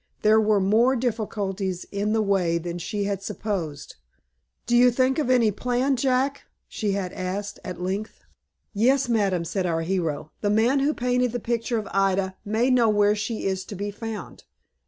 There were more difficulties in the way than she had supposed. "Do you think of any plan, Jack?" she asked, at length. "Yes, madam," said our hero. "The man who painted the picture of Ida may know where she is to be found."